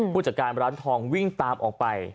ผู้จัดการร้านทองวิ่งตามออกไป